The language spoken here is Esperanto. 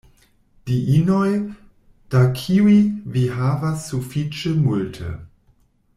Diinoj, da kiuj vi havas sufiĉe multe.